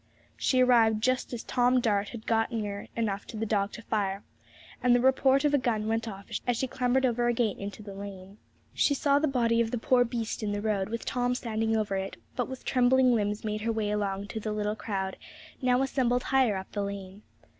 She arrived just as Tom Dart had got near enough to the dog to fire, and the report of a gun went off as she clambered over a gate into the lane. She saw the body of the poor beast in the road, with Tom standing over it, but with trembling limbs made her way along to the little crowd now assembled higher up the lane.